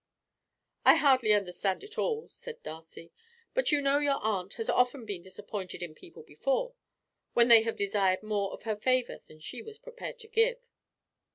"I hardly understand it all," said Darcy, "but you know your aunt has often been disappointed in people before, when they have desired more of her favour than she was prepared to give."